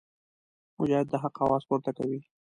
مجاهد د حق اواز پورته کوي.